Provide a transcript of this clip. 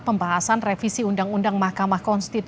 pembahasan revisi undang undang mk